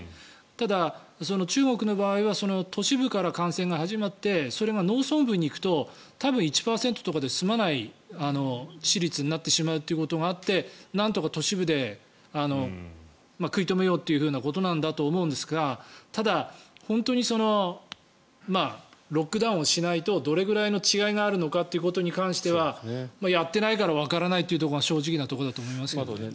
ただ、中国の場合は都市部から感染が始まってそれが農村部に行くと多分、１％とかで済まない致死率になってしまうということがあってなんとか都市部で食い止めようということなんだと思うんですがただ、本当にロックダウンをしないとどれぐらいの違いがあるのかということに関してはやってないからわからないというところが正直なところだと思いますけどね。